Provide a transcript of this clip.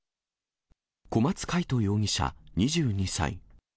小松魁人容疑者２２歳。